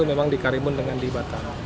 memang di karimun dengan di batam